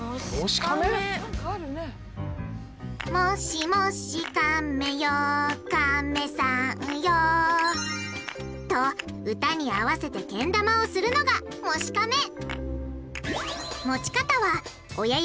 「もしもしかめよかめさんよ」と歌に合わせてけん玉をするのが「もしかめ」！